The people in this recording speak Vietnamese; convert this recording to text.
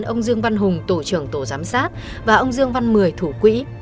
ông dương văn hùng tổ trưởng tổ giám sát và ông dương văn mười thủ quỹ